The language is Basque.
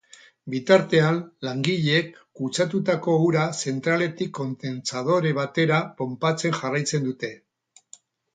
Bitartean, langileek kutsatutako ura zentraletik kondentsadore batera ponpatzen jarraitzen dute.